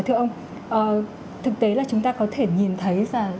thưa ông thực tế là chúng ta có thể nhìn thấy rằng